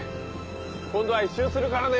今度は一周するからね！